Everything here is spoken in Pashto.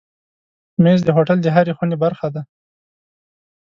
مېز د هوټل د هرې خونې برخه ده.